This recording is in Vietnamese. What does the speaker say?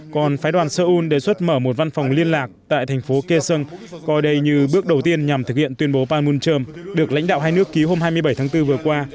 còn phái đoàn seoul đề xuất mở một văn phòng liên lạc tại thành phố keson coi đây như bước đầu tiên nhằm thực hiện tuyên bố panmunjom được lãnh đạo hai nước ký hôm hai mươi bảy tháng bốn vừa qua